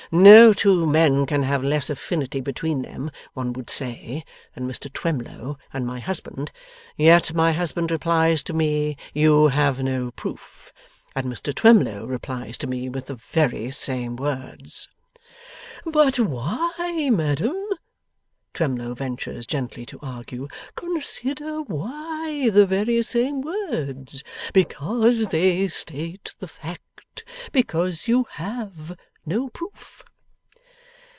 No two men can have less affinity between them, one would say, than Mr Twemlow and my husband. Yet my husband replies to me "You have no proof," and Mr Twemlow replies to me with the very same words!' 'But why, madam?' Twemlow ventures gently to argue. 'Consider why the very same words? Because they state the fact. Because you HAVE no proof.